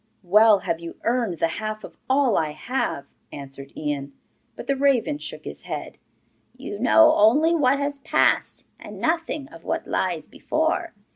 'Well have you earned the half of all I have,' answered Ian. But the raven shook his head. 'You know only what has passed, and nothing of what lies before.